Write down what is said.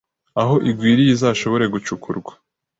aho igwiriye izashobore gucukurwa